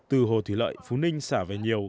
từ hồ thủy lợi phú ninh xả về nhiều